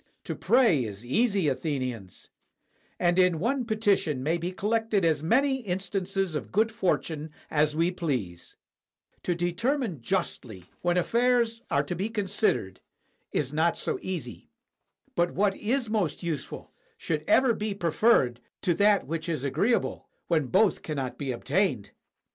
To pray is easy, Athenians; and in one petition may be collected as many instances of good fortune as we please. To determine justly, when i86 DANGER FROM MACEDONIA affairs are to be considered, is not so easy. But what is most useful should ever be preferred to that which is agreeable, when both cannot be obtained.